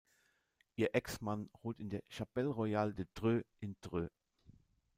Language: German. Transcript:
Ihr Ex-Mann ruht in der Chapelle royale de Dreux in Dreux.